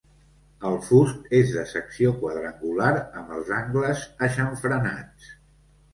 El fust és de secció quadrangular amb els angles aixamfranats.